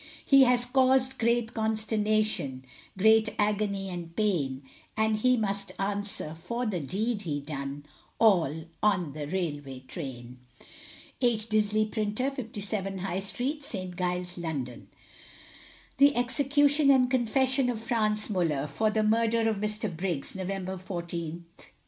He has caused great consternation, Great agony and pain, And he must answer for the deed he done All on the railway train. H. DISLEY, Printer, 57, High street, St. Giles, London. THE EXECUTION AND CONFESSION OF FRANZ MULLER, For the Murder of Mr. BRIGGS, November 14th, 1864.